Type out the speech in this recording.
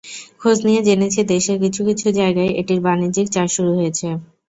খোঁজ নিয়ে জেনেছি, দেশের কিছু কিছু জায়গায় এটির বাণিজ্যিক চাষ শুরু হয়েছে।